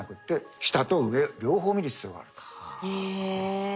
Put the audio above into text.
へえ。